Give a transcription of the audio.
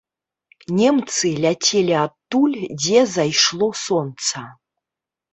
Немцы ляцелі адтуль, дзе зайшло сонца.